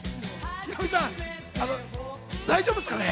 ヒロミさん、大丈夫ですかね？